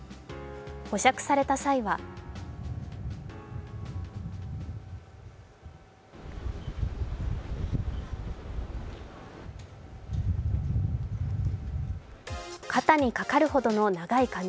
保釈された際は肩に掛かるほどの長い髪。